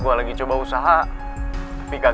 tuhan gua lagi sedang muchas chandra dan enri yang berdua